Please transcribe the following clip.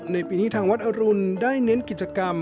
ในปีนี้ทางวัดอรุณได้เน้นกิจกรรม